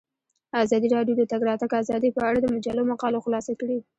ازادي راډیو د د تګ راتګ ازادي په اړه د مجلو مقالو خلاصه کړې.